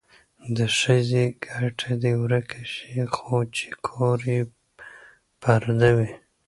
د ښځې ګټه دې ورکه شي خو چې کور یې پرده وي.